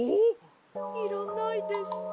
いらないですか？